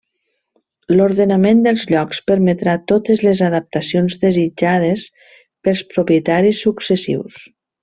L'ordenament dels llocs permetrà totes les adaptacions desitjades pels propietaris successius.